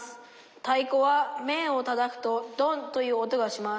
太鼓は面をたたくと『ドン』という音がします。